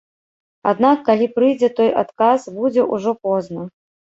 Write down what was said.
Аднак, калі прыйдзе той адказ, будзе ўжо позна.